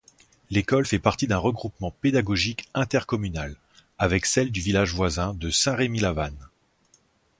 L'école fait partie d'un regroupement pédagogique intercommunal, avec celles du village voisin de Saint-Rémy-la-Vanne.